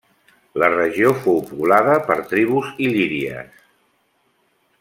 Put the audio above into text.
La regió fou poblada per tribus il·líries.